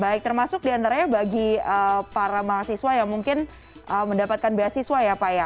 baik termasuk diantaranya bagi para mahasiswa yang mungkin mendapatkan beasiswa ya pak ya